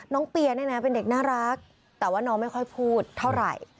เปียเนี่ยนะเป็นเด็กน่ารักแต่ว่าน้องไม่ค่อยพูดเท่าไหร่